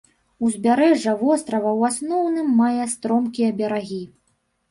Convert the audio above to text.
Узбярэжжа вострава ў асноўным мае стромкія берагі.